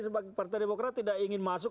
sebagai partai demokrat tidak ingin masuk